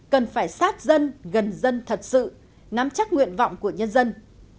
cần phải sát dân gần dân thật sự nắm chắc nguyện vọng của nhân dân